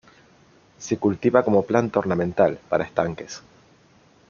Se cultiva como planta ornamental, para estanques.